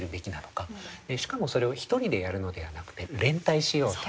しかもそれを一人でやるのではなくて連帯しようと。